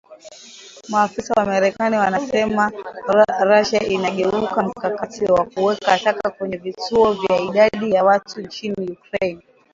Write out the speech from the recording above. Maafisa wa marekani wanasema Russia “inageukia mkakati wa kuweka taka kwenye vituo vya idadi ya watu nchini Ukraine.”